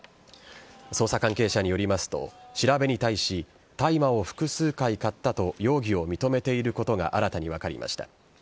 捜査関係者によりますと調べに対し大麻を複数回買ったと容疑を認めていることが新たに分かりました。